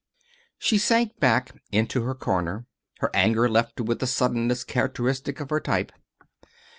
She sank back into her corner. Her anger left her with the suddenness characteristic of her type.